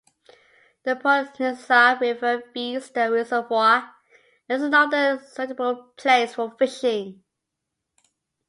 The Topolnitsa River feeds the reservoir, and is another suitable place for fishing.